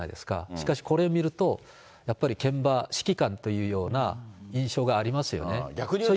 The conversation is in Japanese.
しかしこれ見ると、やっぱり現場、指揮官というような印象がありますよね。